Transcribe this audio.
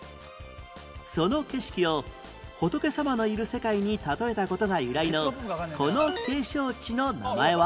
その景色を仏様のいる世界に例えた事が由来のこの景勝地の名前は？